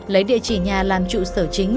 lấy địa chỉ nhà làm trụ sở chính